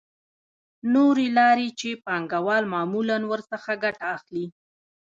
نورې لارې چې پانګوال معمولاً ورڅخه ګټه اخلي